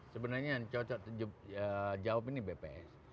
sebenarnya jawabannya bps